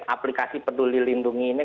aplikasi peduli lindungi ini